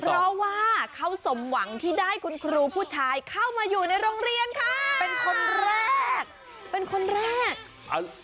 ถ้าเราได้ครูผู้ชายเป็นครูคณิตนะคะ